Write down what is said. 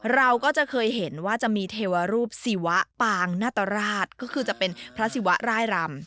เราก็จะเคยเห็นว่าจะมีเทวรูปศิวะปางนาตราชก็คือจะเป็นพระศิวะร่ายรำ